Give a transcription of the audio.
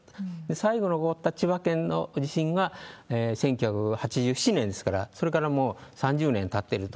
最後に起こった千葉県の地震は１９８７年ですから、それからもう３０年たってると。